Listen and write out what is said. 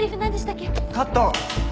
カット！